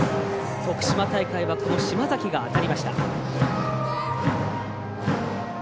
徳島大会は島崎が当たりました。